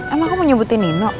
emang aku mau nyebutin nino